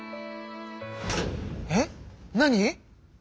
えっ何？